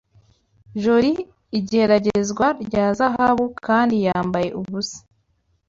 Joli igeragezwa rya zahabu kandi yambaye ubusa